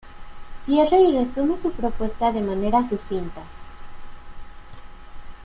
Pierre y resume su propuesta de manera sucinta.